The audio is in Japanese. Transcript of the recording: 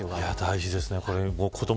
大事ですね。